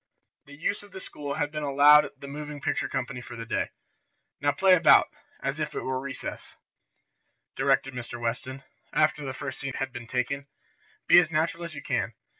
The use of the school had been allowed the moving picture company for the day. "Now play about, as if it were recess," directed Mr. Weston, after the first scene had been taken. "Be as natural as you can.